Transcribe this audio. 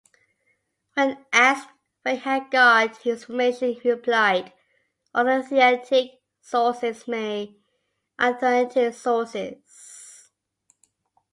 When asked where he had got his information he replied, "authentic sources-many authentic sources".